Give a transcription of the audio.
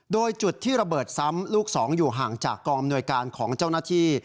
โดยจุดที่ระเบิดซ้ำลูกสองอยู่ห่างจากกองอำนวยการของเจ้าหน้าที่